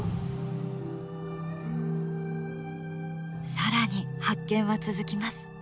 更に発見は続きます。